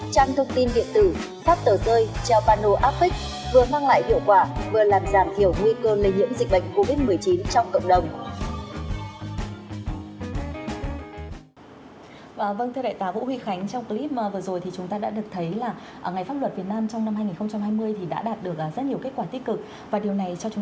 trang thông tin điện tử phát tờ rơi treo panel app vừa mang lại hiệu quả vừa làm giảm hiểu nguy cơ lây nhiễm dịch bệnh covid một mươi chín trong cộng đồng